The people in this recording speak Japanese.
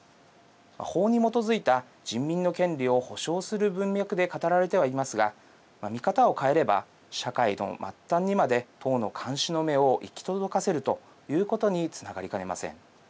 法に基づいた人民の権利を保障する文脈で語られていますが見方を変えれば社会の末端にまで党の監視の目を行き届かせるということにつながりかねません。